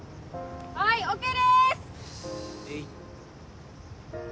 はいＯＫです！